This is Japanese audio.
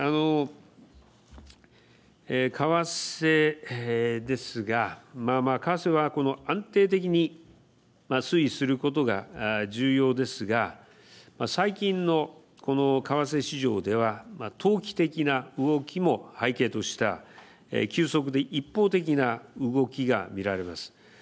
為替ですが為替は安定的に推移することが重要ですが、最近の為替市場では投機的な動きを背景とした急速で一方的な動きが見られます。